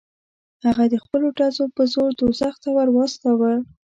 هغه د خپلو ډزو په زور دوزخ ته ور واستاوه.